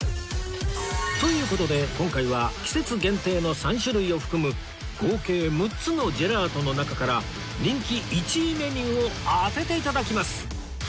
という事で今回は季節限定の３種類を含む合計６つのジェラートの中から人気１位メニューを当てて頂きます